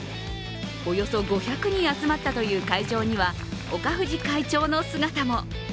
およそ５００人集まったという会場には岡藤会長の姿も。